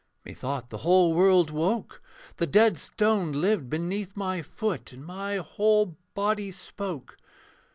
Methought the whole world woke, The dead stone lived beneath my foot, And my whole body spoke.